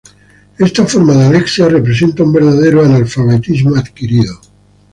Esta forma de alexia representa un verdadero analfabetismo adquirido.